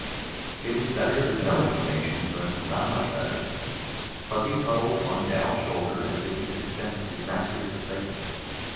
It was better than no information, but not much better. Fuzzy huddled on Dal's shoulder as if he could sense his master's excitement.